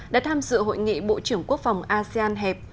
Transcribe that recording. đã tham dự hội nghị bộ trưởng quốc phòng asean hẹp